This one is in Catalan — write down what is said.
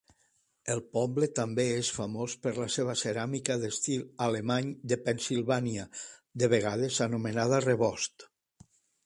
El poble també és famós per la seva ceràmica d'estil alemany de Pennsilvània, de vegades anomenada rebost.